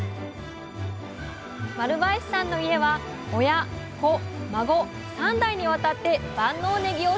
丸林さんの家は親子孫３代にわたって万能ねぎを生産しています